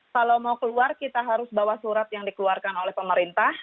kalau mau keluar kita harus bawa surat yang dikeluarkan oleh pemerintah